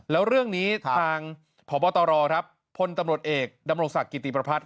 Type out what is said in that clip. แล้วเรื่องนี้ทางพบตรครับพลตำรวจเอกดำรงศักดิ์กิติประพัฒน์